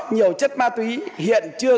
nhiều chất ma túy hiện chưa